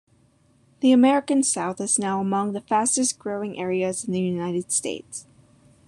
The American South is now among the fastest-growing areas in the United States.